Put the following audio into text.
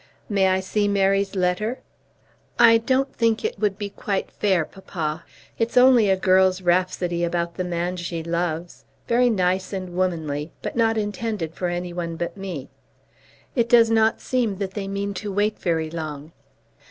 "May I see Mary's letter?" "I don't think it would be quite fair, papa. It's only a girl's rhapsody about the man she loves, very nice and womanly, but not intended for any one but me. It does not seem that they mean to wait very long."